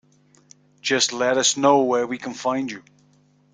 Just let us know where we can find you.